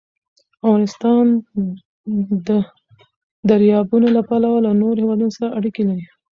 افغانستان د دریابونه له پلوه له نورو هېوادونو سره اړیکې لري.